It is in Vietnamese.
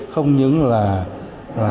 không những là mất cái thương hiệu